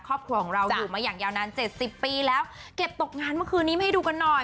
ครอบครัวของเราอยู่มาอย่างยาวนานเจ็ดสิบปีแล้วเก็บตกงานเมื่อคืนนี้มาให้ดูกันหน่อย